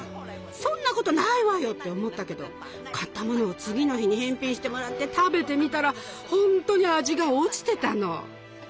「そんなことないわよ」って思ったけど買ったものを次の日に返品してもらって食べてみたらほんとに味が落ちてたの。